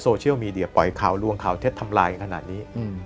โซเชียลมีเดียปล่อยข่าวลวงข่าวเท็จทำลายขนาดนี้